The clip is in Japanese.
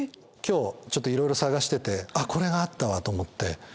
今日ちょっといろいろ探してて「あっこれがあったわ」と思って。